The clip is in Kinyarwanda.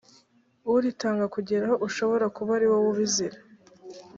uritanga kugeraho ushobora kuba ari wowe ubizira